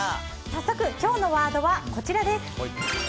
早速、今日のワードはこちらです。